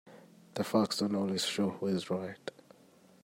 The facts don't always show who is right.